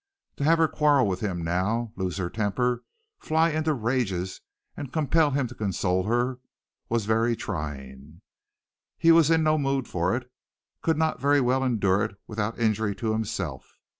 To have her quarrel with him now, lose her temper, fly into rages and compel him to console her, was very trying. He was in no mood for it; could not very well endure it without injury to himself.